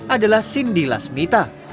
adalah cindy lasmita